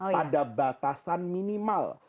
pada batasan minimal